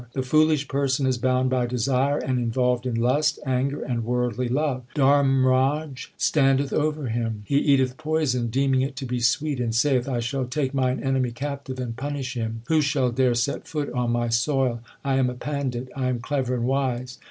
The foolish person is bound by desire, And involved in lust, anger, and worldly love : Dharmraj standeth over him : He eateth poison deeming it to be sweet, and saith I 1 shall take mine enemy captive and punish him ; Who shall dare set foot on my soil ? I am a pandit, I am clever and wise.